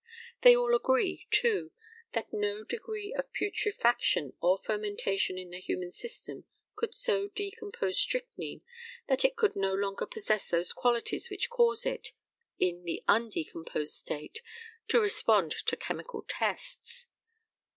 They all agree, too, that no degree of putrefaction or fermentation in the human system could so decompose strychnine that it should no longer possess those qualities which cause it, in its undecomposed state to respond to chemical tests.